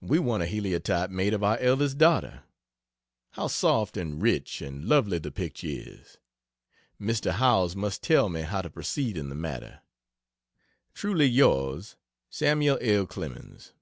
We want a heliotype made of our eldest daughter. How soft and rich and lovely the picture is. Mr. Howells must tell me how to proceed in the matter. Truly Yours SAM. L. CLEMENS.